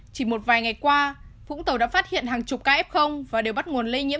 chỉ một vài ngày qua vũng tàu đã phát hiện hàng chục kf và đều bắt nguồn lây nhiễm